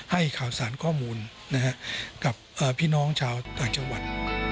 ให้ข่าวสารข้อมูลกับพี่น้องชาวต่างจังหวัด